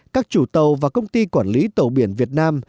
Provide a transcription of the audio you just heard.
các chủ tàu và công ty quản lý tàu biển việt nam